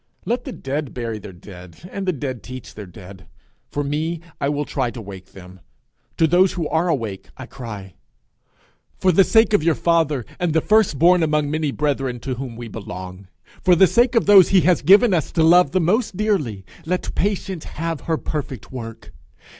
Let the dead bury their dead, and the dead teach their dead; for me, I will try to wake them. To those who are awake, I cry, 'For the sake of your father and the first born among many brethren to whom we belong, for the sake of those he has given us to love the most dearly, let patience have her perfect work.